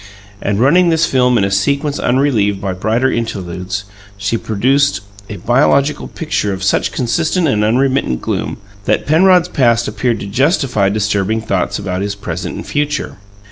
And running this film in a sequence unrelieved by brighter interludes, she produced a biographical picture of such consistent and unremittent gloom that Penrod's past appeared to justify disturbing thoughts about his present and future.